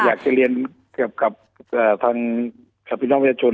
อยากจะเรียนเกือบกับทางสัพพิธนภาพมนตร์ชน